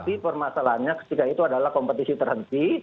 tapi permasalahannya ketika itu adalah kompetisi terhenti